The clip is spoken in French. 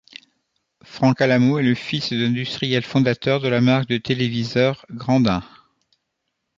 Frank Alamo est le fils de l'industriel fondateur de la marque de téléviseurs Grandin.